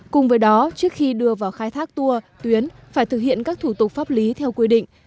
cùng với đó trước khi đưa vào khai thác tour tuyến phải thực hiện các thủ tục pháp lý theo quy định